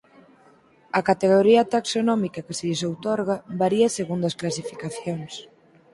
A categoría taxonómica que se lles outorga varía segundo as clasificacións.